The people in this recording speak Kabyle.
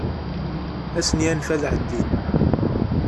Ad asen-yanef ad ɛeddin.